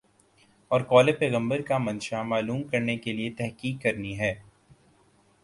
اور قولِ پیغمبر کا منشامعلوم کرنے کے لیے تحقیق کرنی ہے